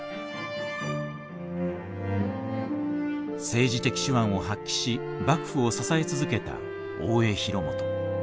政治的手腕を発揮し幕府を支え続けた大江広元。